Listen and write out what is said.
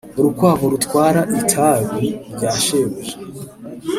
urukwavu rutwara itabi rya shebuja